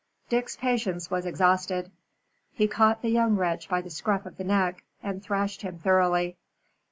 Dick's patience was exhausted. He caught the young wretch by the scruff of the neck and thrashed him thoroughly.